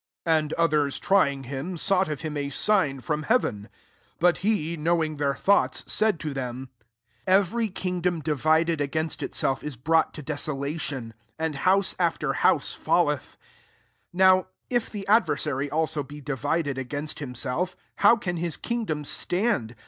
16 T And otii^s trying fdm^ sought of bim a ngn from beaveiu) 17 But he, kfiowiBg their thoughts, said to them, *«£v^fy kingdom divided against itself, is brought to de solation ; and hcmse after house &fleth. 18 New if the adversary also be divided against himself, bow can his kingdom stand?